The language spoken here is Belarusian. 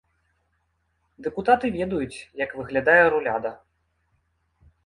Дэпутаты ведаюць, як выглядае руляда.